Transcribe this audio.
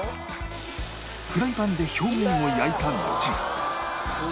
フライパンで表面を焼いたのちに